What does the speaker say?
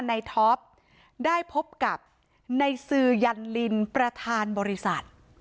ท็อปได้พบกับในซือยันลินประธานบริษัท